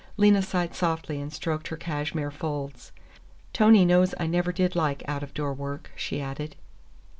Lena sighed softly and stroked her cashmere folds. "Tony knows I never did like out of door work," she added.